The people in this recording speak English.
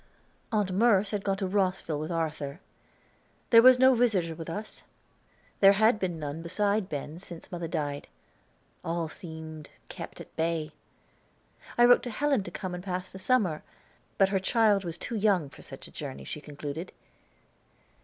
Aunt Merce had gone to Rosville with Arthur. There was no visitor with us; there had been none beside Ben since mother died. All seemed kept at bay. I wrote to Helen to come and pass the summer, but her child was too young for such a journey, she concluded.